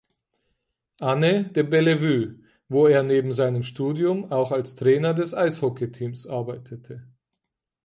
Anne de Bellevue, wo er neben seinem Studium auch als Trainer des Eishockeyteams arbeitete.